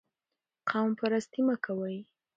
قوم پرستي مه کوئ.